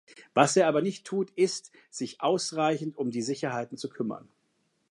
Was er aber nicht tut, ist, sich ausreichend um die Sicherheiten zu kümmern.